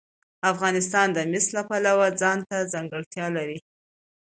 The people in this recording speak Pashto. افغانستان د مس د پلوه ځانته ځانګړتیا لري.